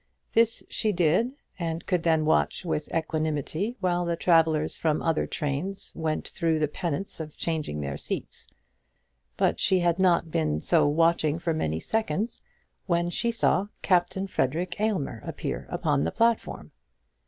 This she did, and could then watch with equanimity, while the travellers from the other train went through the penance of changing their seats. But she had not been so watching for many seconds when she saw Captain Frederic Aylmer appear upon the platform.